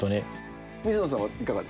水野さんはいかがでした？